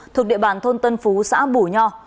thực địa bàn thôn tân phú xã bù nho